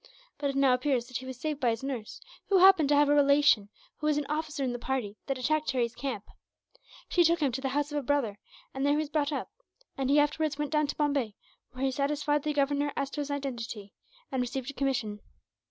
"But it now appears that he was saved by his nurse, who happened to have a relation who was an officer in the party that attacked Harry's camp. She took him to the house of a brother, and there he was brought up; and he afterwards went down to Bombay, where he satisfied the Governor as to his identity, and received a commission.